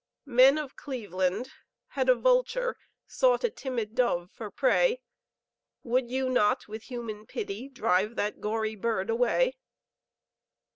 Men of Cleveland, had a vulture Sought a timid dove for prey, Would you not, with human pity, Drive the gory bird away?